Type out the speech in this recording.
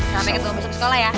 sampai ketemu sekolah ya